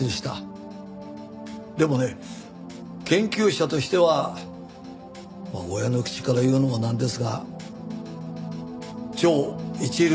でもね研究者としては親の口から言うのもなんですが超一流でしたよ。